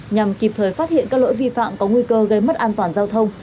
nhằm kịp thời phát hiện các lỗi vi phạm có nguy cơ gây mất an toàn giao thông